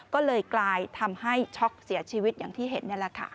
ก็เลยกลายทำให้ช็อกเสียชีวิตอย่างที่เห็นนี่แหละค่ะ